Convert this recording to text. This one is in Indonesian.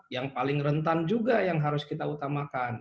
yang paling rentan juga yang harus kita utamakan